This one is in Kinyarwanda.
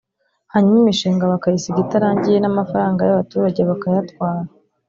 hanyuma imishinga bakayisiga itarangiye n’amafaranga y’abaturage bakayatwara